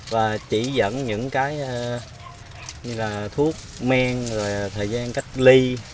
và chỉ dẫn những cái như là thuốc men rồi thời gian cách ly